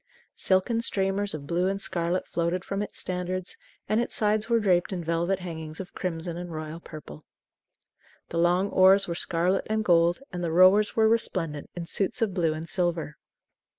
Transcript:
Silken streamers of blue and scarlet floated from its standards; and its sides were draped in velvet hangings of crimson and royal purple. The long oars were scarlet and gold, and the rowers were resplendent in suits of blue and silver.